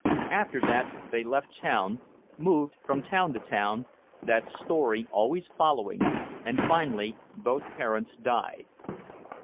After that they left town, moved from town to town, that story always following, and finally both parents died.